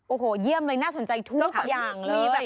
โอ้โหเยี่ยมเลยน่าสนใจทุกอย่างเลยแบบนี้